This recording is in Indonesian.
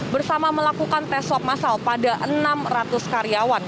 bersama melakukan tes swab masal pada enam ratus karyawan